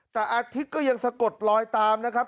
แต่อาทิตย์ก็ยังสะกดลอยตามนะครับ